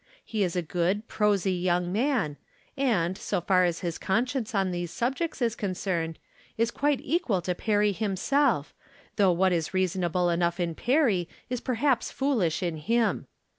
He is a good, prosy young man, and, so far as his conscience on these subjects is concerned, is quite equal to Perry .himself, though what is reasonable enough in Perry is perhaps foolish in him.